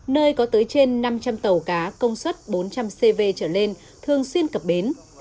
nơi có tới trên năm trăm linh tàu cá công suất bốn trăm linh cv trở lên thường xuyên cập bến